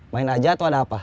main aja atau ada apa